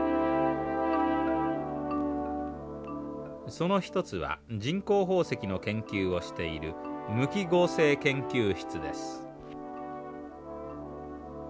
その一つは人工宝石の研究をしている無機合成研究室です。